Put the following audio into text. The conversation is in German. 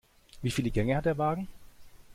Wieviele Gänge hat der Wagen?